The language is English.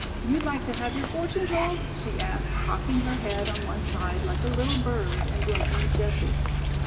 You like to have your fortune told?" she asked, cocking her head on one side like a little bird and blinking at Jessie.